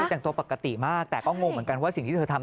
แต่งตัวปกติมากแต่ก็งงเหมือนกันว่าสิ่งที่เธอทำ